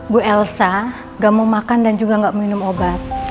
bu elsa gak mau makan dan juga nggak minum obat